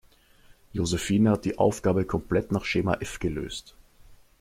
Josephine hat die Aufgabe komplett nach Schema F gelöst.